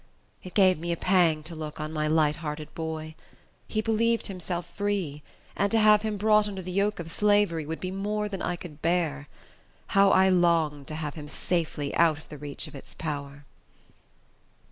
It gave me a pang to look on my light hearted boy. He believed himself free; and to have him brought under the yoke of slavery, would be more than I could bear. How I longed to have him safely out of the reach of its power!